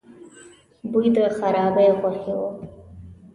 بوی د خرابې غوښې و.